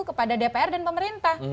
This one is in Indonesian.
kepada dpr dan pemerintah